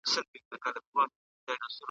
وروسته پاته والی په بیلا بیلو ډولونو څېړل کیږي.